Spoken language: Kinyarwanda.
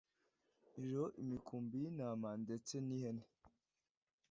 ririho imikumbi y intama ndetse nihene